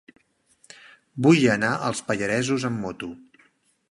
Vull anar als Pallaresos amb moto.